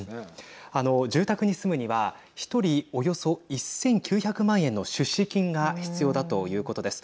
住宅に住むには１人およそ１９００万円の出資金が必要だということです。